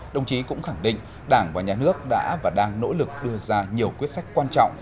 đồng chí cũng khẳng định đảng và nhà nước đã và đang nỗ lực đưa ra nhiều quyết sách quan trọng